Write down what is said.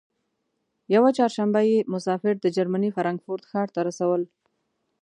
یوه چهارشنبه به یې مسافر د جرمني فرانکفورت ښار ته رسول.